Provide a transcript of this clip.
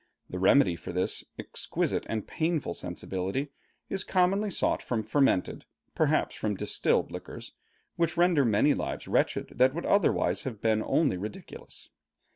The remedy for this exquisite and painful sensibility is commonly sought from fermented, perhaps from distilled liquors, which render many lives wretched that would otherwise have been only ridiculous.